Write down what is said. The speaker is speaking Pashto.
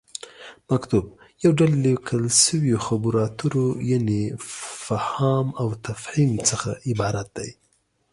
مکتوب: یو ډول ليکل شويو خبرو اترو یعنې فهام وتفهيم څخه عبارت دی